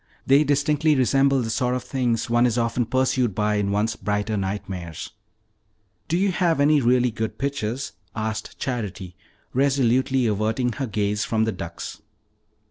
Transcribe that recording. They distinctly resemble the sort of things one is often pursued by in one's brighter nightmares." "Do you have any really good pictures?" asked Charity, resolutely averting her gaze from the ducks.